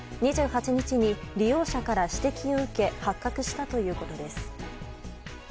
２８日に利用者から指摘を受け発覚したということです。